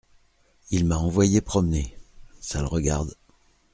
Il m’a envoyé promener… ça le regarde.